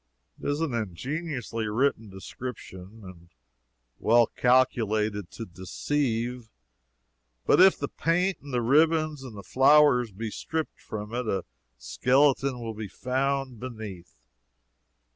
It is an ingeniously written description, and well calculated to deceive. But if the paint and the ribbons and the flowers be stripped from it, a skeleton will be found beneath.